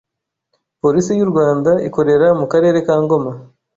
Polisi y’u Rwanda ikorera mu Karere ka Ngoma